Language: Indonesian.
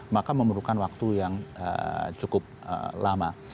maka memerlukan waktu yang cukup lama